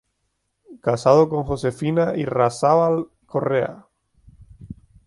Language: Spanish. Casado con Josefina Irarrázaval Correa.